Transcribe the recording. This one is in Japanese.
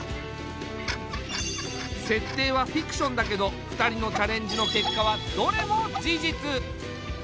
設定はフィクションだけど２人のチャレンジの結果はどれも事実。